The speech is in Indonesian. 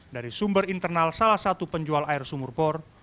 dari sumber internal salah satu penjual air sumur bor